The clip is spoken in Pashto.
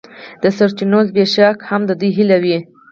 د سرچینو زبېښاک هم د دوی هیلې وې.